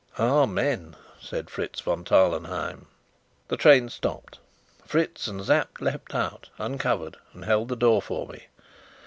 "Amen!" said Fritz von Tarlenheim. The train stopped. Fritz and Sapt leapt out, uncovered, and held the door for me.